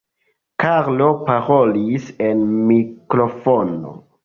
Karlo parolis en mikrofono.